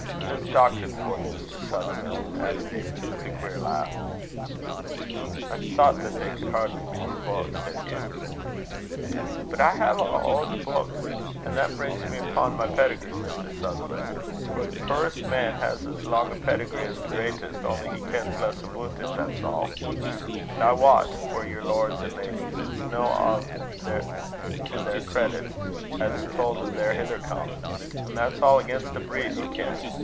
There's doctrine for ye, Mr. Sutherlan'!" added David, with a queer laugh. "I thought they could hardly be your books," said Hugh. "But I hae ae odd beuk, an' that brings me upo' my pedigree, Mr. Sutherlan'; for the puirest man has as lang a pedigree as the greatest, only he kens less aboot it, that's a'. An' I wat, for yer lords and ladies, it's no a' to their credit 'at's tauld o' their hither come; an' that's a' against the breed, ye ken.